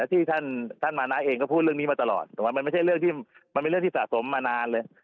ที่ท่านมาน้าเองก็พูดเรื่องนี้มาตลอดมันไม่ใช่เรื่องที่สะสมมานานเลย